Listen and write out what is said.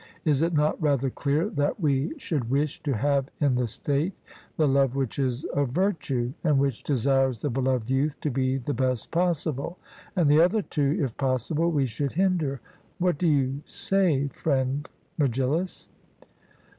Is it not rather clear that we should wish to have in the state the love which is of virtue and which desires the beloved youth to be the best possible; and the other two, if possible, we should hinder? What do you say, friend Megillus?